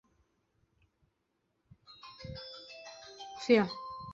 李天惠是美国数学家与企业家。